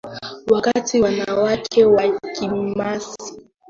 Wakati wanawake wa kimasai wengi hukusanyika pamoja wao huimba na kucheza peke yao